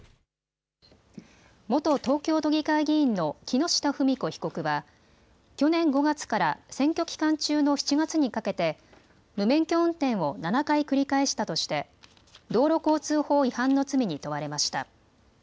元東京都議会議員の木下富美子被告は去年５月から選挙期間中の７月にかけて無免許運転を７回繰り返したとして、道路交通法違反の罪に問われました。